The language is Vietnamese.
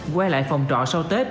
quay lại phòng trọ sau tết